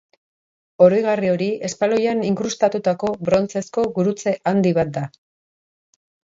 Oroigarri hori espaloian inkrustatutako brontzezko gurutze handi bat da.